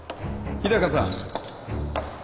日高さん。